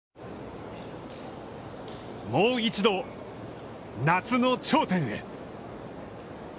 もう一度、夏の頂点へ。